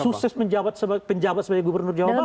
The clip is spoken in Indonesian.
sukses penjabat sebagai gubernur jawa barat